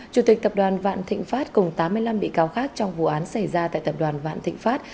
chủ tịch tập đoàn vạn thịnh pháp cùng tám mươi năm bị cáo khác trong vụ án xảy ra tại tập đoàn vạn thịnh pháp